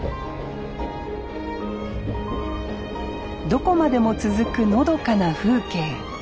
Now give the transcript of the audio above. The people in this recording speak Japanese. どこまでも続くのどかな風景。